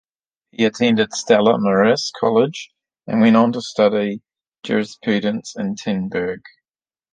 He attended Stella Maris College, and went on to study jurisprudence in Tilburg.